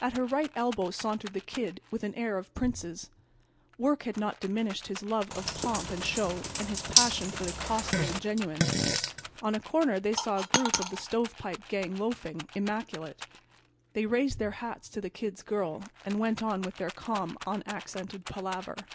At her right elbow sauntered the Kid with the air of princes. Work had not diminished his love of pomp and show and his passion for the costly and genuine. On a corner they saw a group of the Stovepipe Gang loafing, immaculate. They raised their hats to the Kid's girl and went on with their calm, unaccented palaver.